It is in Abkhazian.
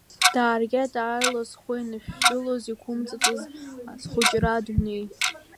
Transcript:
Дааргеит аарла зхәы еинышәшәылоз, иқәымҵыцыз зхәыҷра адунеи.